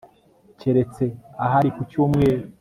keretse ahari ku cyumweru